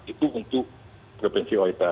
itu untuk provinsi oita